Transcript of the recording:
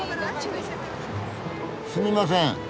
すみません